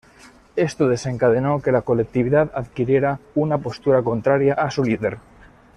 Esto desencadenó que la colectividad adquiriera una postura contraria a su líder.